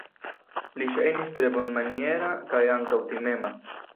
Li ŝajnis tre bonmaniera kaj ankaŭ timema.